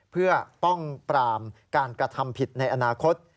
เพื่อป้องปรามการกระทำผิดในอนาคต